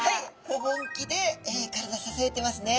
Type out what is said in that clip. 不分岐で体支えてますね。